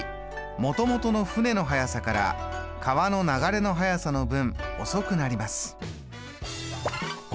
もともとの舟の速さから川の流れの速さの分遅くなります。